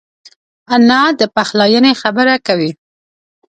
انا د پخلاینې خبره کوي